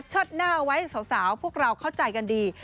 หน้าไว้สาวพวกเราเข้าใจกันดี